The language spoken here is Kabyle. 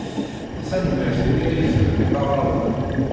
Tanemmirt imi ay tebniḍ aɣrab-a.